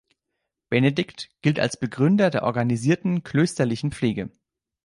Benedikt gilt als Begründer der organisierten klösterlichen Pflege.